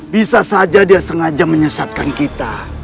bisa saja dia sengaja menyesatkan kita